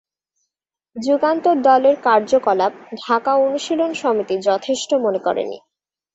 যুগান্তর দলের কার্যকলাপ ঢাকা অনুশীলন সমিতি যথেষ্ট মনে করেনি।